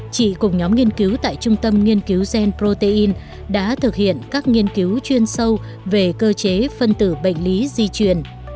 chị cùng nhóm nghiên cứu tại trung tâm nghiên cứu zen protein đã thực hiện các nghiên cứu chuyên sâu về cơ chế phân tử bệnh lý di truyền